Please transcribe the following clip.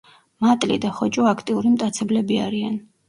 მატლი და ხოჭო აქტიური მტაცებლები არიან.